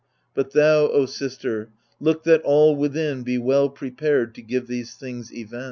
But thou, O sister, look that all within Be well prepared to give these things event.